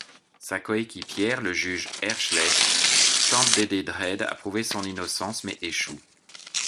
Sa coéquipière, le Juge Hershey, tente d'aider Dredd à prouver son innocence, mais échoue.